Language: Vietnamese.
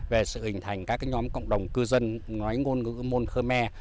về sự hình thành các nhóm cộng đồng cư dân nói ngôn ngữ môn khmer